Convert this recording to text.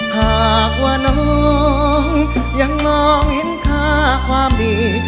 หากว่าน้องยังมองเห็นค่าความดี